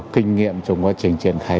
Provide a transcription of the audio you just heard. kinh nghiệm trong quá trình triển khai